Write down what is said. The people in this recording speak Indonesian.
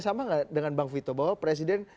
sama nggak dengan bang vito bahwa presiden